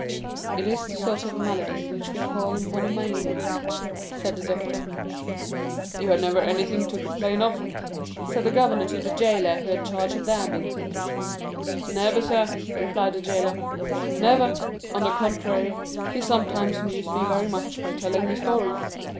"It is the sort of malady which we call monomania," said the doctor. "You had never anything to complain of?" said the governor to the jailer who had charge of the abbé. "Never, sir," replied the jailer, "never; on the contrary, he sometimes amused me very much by telling me stories.